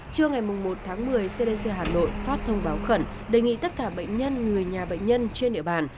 trưa ngày một tháng một mươi cdc hà nội phát thông báo khẩn đề nghị tất cả bệnh nhân người nhà bệnh nhân trên địa bàn